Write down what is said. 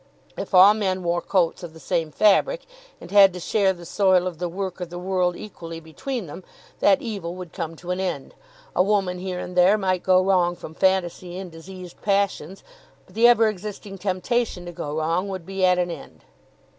If all men wore coats of the same fabric, and had to share the soil of the work of the world equally between them, that evil would come to an end. A woman here and there might go wrong from fantasy and diseased passions, but the ever existing temptation to go wrong would be at an end."